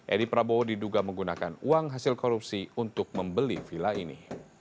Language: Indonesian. edi prabowo diduga menggunakan uang hasil korupsi untuk membeli villa ini